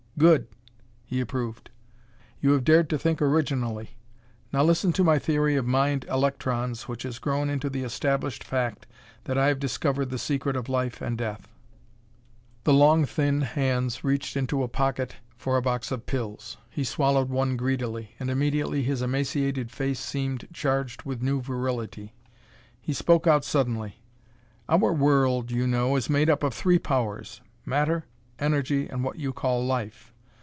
"Good!" he approved. "You have dared to think originally. Now listen to my theory of mind electrons which has grown into the established fact that I have discovered the secret of life and death." The long, thin hands reached into a pocket for a box of pills. He swallowed one greedily, and immediately his emaciated face seemed charged with new virility. He spoke out suddenly. "Our world, you know, is made up of three powers: matter, energy and what you call life.